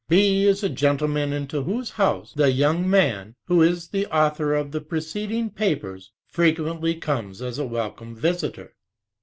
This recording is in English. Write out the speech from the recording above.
B is a gentleman into whose house the young man who is the author of the preceding papers frequently comes as a wel come visitor.